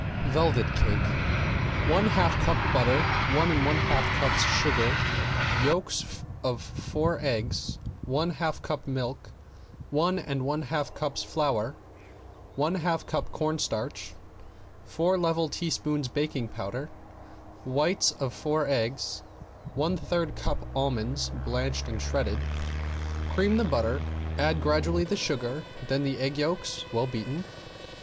~VELVET CAKE~ One half cup butter, one and one half cups sugar, yolks four eggs, one half cup milk, one and one half cups flour, one half cup cornstarch, four level teaspoons baking powder, whites four eggs, one third cup almonds blanched shredded. Cream the butter, add gradually the sugar, then the egg yolks well beaten.